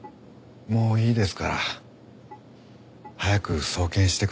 もういいですから早く送検してください。